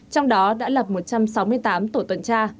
trong đó đã lập một trăm sáu mươi tám tổ tuần tra